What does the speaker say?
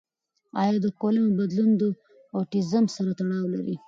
آیا د کولمو بدلون د اوټیزم سره تړاو لري؟